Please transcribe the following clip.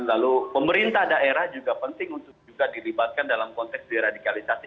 lalu pemerintah daerah juga penting untuk juga dilibatkan dalam konteks deradikalisasi